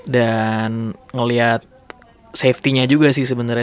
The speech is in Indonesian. dan ngeliat safety nya juga sih sebenernya